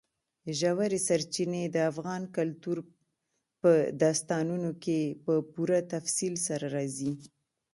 ژورې سرچینې د افغان کلتور په داستانونو کې په پوره تفصیل سره راځي.